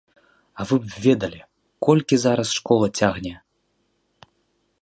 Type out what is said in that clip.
А вы б ведалі, колькі зараз школа цягне!